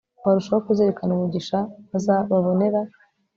barushaho kuzirikana umugisha babonera